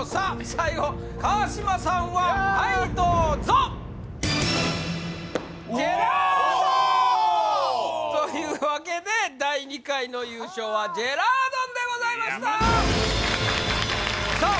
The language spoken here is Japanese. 最後川島さんははいどうぞジェラードンおおというわけで第２回の優勝はジェラードンでございましたさあ